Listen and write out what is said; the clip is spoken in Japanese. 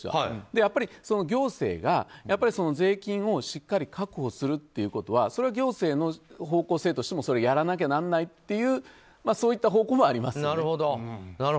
やっぱり行政が税金をしっかり確保するということはそれは行政の方向性としてもやらなきゃならないというそういった方向はありますよね。